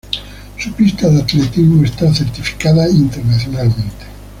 Su pista de atletismo está certificada internacionalmente.